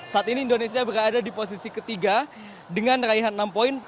saat ini indonesia berada di posisi ketiga dengan raihan enam poin